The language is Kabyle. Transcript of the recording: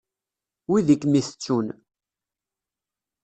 Wid i kem-itettun.